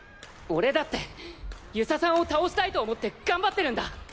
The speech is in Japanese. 俺だって遊佐さんを倒したいと思って頑張ってるんだ。